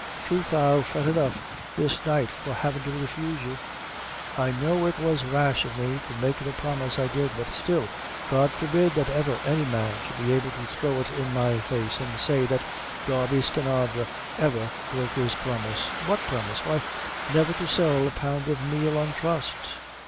Troth I'll fret enough this night for havin' to refuse you. I know it was rash of me to make the promise I did; but still, God forbid that ever any man should be able to throw it in my face, an' say that Darby Skinadre ever broke his promise." "What promise?" "Why, never to sell a pound of meal on trust."